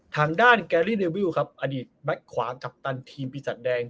ทางด้านแกรรี่ครับอดีตแม็กซ์ขวากัปตันทีมพี่สัตว์แดง